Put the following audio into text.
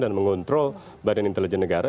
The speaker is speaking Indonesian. dan mengontrol badan intelijen negara